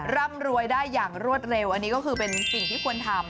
ร่ำรวยได้อย่างรวดเร็วอันนี้ก็คือเป็นสิ่งที่ควรทำ